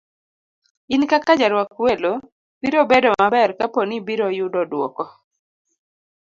In kaka jarwak welo, biro bedo maber kapo ni ibiro yudo duoko